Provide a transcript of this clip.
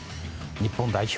日本代表